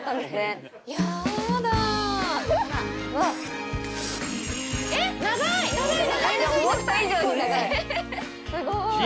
すごい。